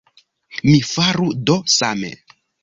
Mi faru do same!